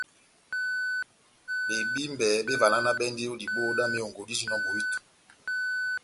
Bebímbe bévalanabɛndini ó diboho dá mehongo dijinɔ bohito.